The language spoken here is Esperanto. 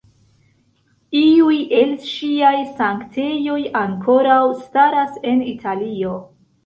Iuj el ŝiaj sanktejoj ankoraŭ staras en Italio.